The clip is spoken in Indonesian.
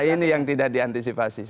ini yang tidak diantisipasi